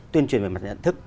tuyên truyền về mặt nhận thức